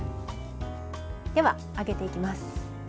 では揚げていきます。